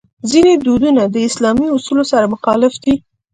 ځینې دودونه د اسلامي اصولو سره مخالف دي.